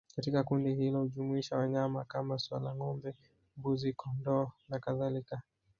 Katika kundi hilo hujumuisha wanyama kama swala ngombe mbuzi kondoo na kadhalika